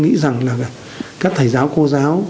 nghĩ rằng là các thầy giáo cô giáo